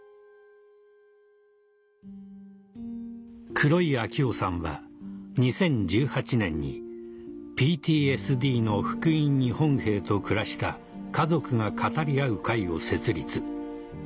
黒井秋夫さんは２０１８年に「ＰＴＳＤの復員日本兵と暮らした家族が語り合う会」を設立